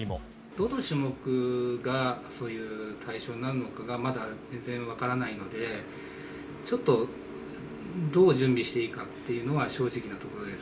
どの種目が、そういう対象になるのかが、まだ全然分からないので、ちょっと、どう準備していいかっていうのが正直なところです。